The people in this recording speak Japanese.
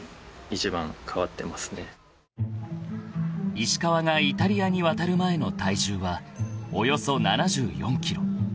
［石川がイタリアに渡る前の体重はおよそ７４ｋｇ］